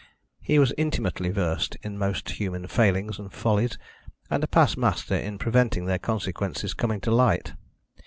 He was intimately versed in most human failings and follies, and a past master in preventing their consequences coming to light.